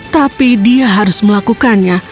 tapi dia harus melakukannya